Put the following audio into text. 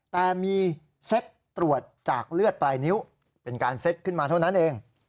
แต่มีเซ็ตตรวจจากเลือดปลายนิ้วเป็นการเซ็ตขึ้นมาเท่านั้นเอง